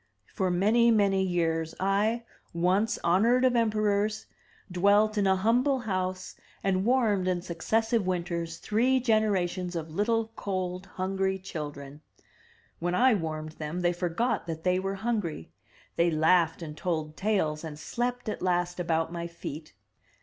For many, many years I, once honored of emperors, dwelt in a humble house and warmed in successive winters three generations of little, cold, hungry children. When I warmed them they forgot that they were hungry; they laughed and told tales, and slept at last about my feet.